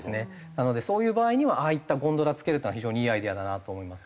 なのでそういう場合にはああいったゴンドラ付けるっていうのは非常にいいアイデアだなと思いますよね。